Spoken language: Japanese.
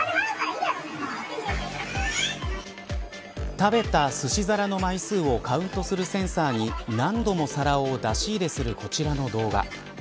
食べたすし皿の枚数をカウントするセンサーに何度も皿を出し入れするこちらの動画。